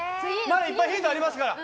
いっぱいヒントありますから。